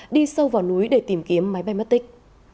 đi sâu vào núi để tìm kiếm máy bay mất tích